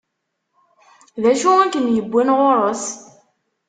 D acu i kem-iwwin ɣur-s?